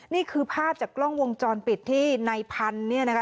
นี่คือภาพจากกล้องวงจรปิดที่ในพันธุ์เนี่ยนะคะ